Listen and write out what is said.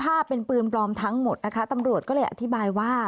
ถ้าเป็นปืนปลอมทั้งหมดนะคะตำรวจก็เลยอธิบายว่า